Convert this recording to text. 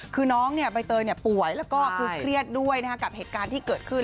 คือน้องใบเตยป่วยแล้วก็คือเครียดด้วยกับเหตุการณ์ที่เกิดขึ้น